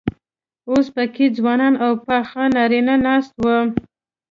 اوس پکې ځوانان او پاخه نارينه ناست وو.